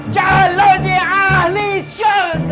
calonnya ahli syurga